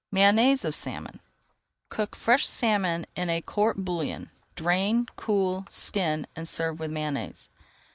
MAYONNAISE OF SALMON Cook fresh salmon in a court bouillon, drain, cool, skin, and serve with Mayonnaise.